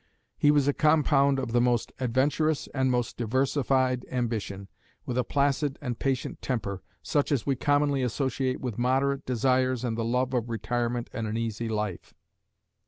He was a compound of the most adventurous and most diversified ambition, with a placid and patient temper, such as we commonly associate with moderate desires and the love of retirement and an easy life.